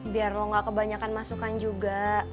biar lo gak kebanyakan masukan juga